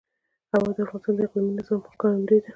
هوا د افغانستان د اقلیمي نظام ښکارندوی ده.